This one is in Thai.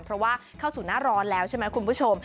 เพราะว่าเข้าสู่หน้าร้อนแล้วใช่ไหมคุณผู้ชม